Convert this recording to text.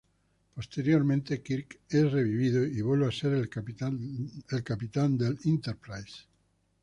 Posteriormente, Kirk es revivido y vuelve a ser el capitán del "Enterprise".